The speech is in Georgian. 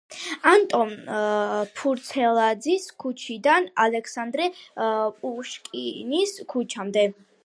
ანტონ ფურცელაძის ქუჩიდან ალექსანდრე პუშკინის ქუჩამდე.